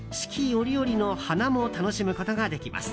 折々の花も楽しむことができます。